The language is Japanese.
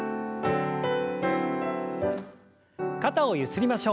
肩をゆすりましょう。